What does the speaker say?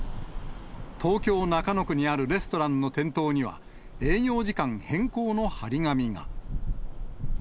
東京・中野区にあるレストランの店頭には、営業時間変更の貼り紙が。